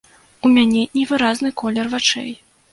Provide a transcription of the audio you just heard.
У мяне невыразны колер вачэй.